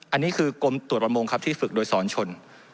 อันนี้คือกรมตรวจประมงครับที่ฝึกโดยสอนชน